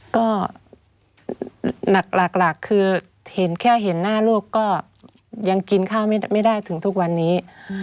ก็หนักคือเห็นแค่เห็นหน้าลูกก็ยังกินข้าวไม่ได้ถึงทุกวันนี้